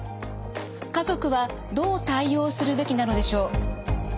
家族はどう対応するべきなのでしょう。